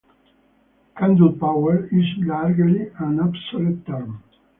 "Candlepower" is largely an obsolete term.